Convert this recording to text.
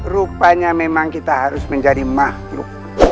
rupanya memang kita harus menjadi makhluk